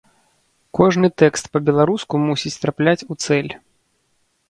Кожны тэкст па-беларуску мусіць трапляць у цэль.